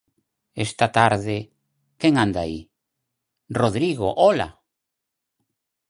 Esta tarde... "Quen anda aí?". Rodrigo, ola!